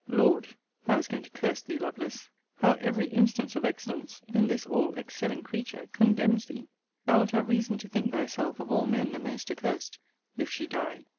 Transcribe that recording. Lord! I was going to curse thee, Lovelace! How every instance of excellence, in this all excelling creature, condemns thee; thou wilt have reason to think thyself of all men the most accursed, if she die!